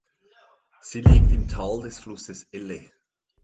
Sie liegt im Tal des Flusses Elle.